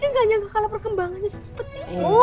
mbak siti gak nyangka kalau perkembangannya secepetnya